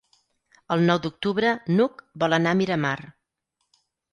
El nou d'octubre n'Hug vol anar a Miramar.